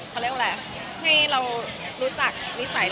ก็เลยเอาข้าวเหนียวมะม่วงมาปากเทียน